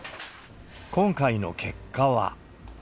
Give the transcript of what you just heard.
今回の結果は。